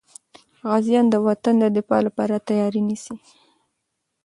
غازیان د وطن د دفاع لپاره تیاري نیسي.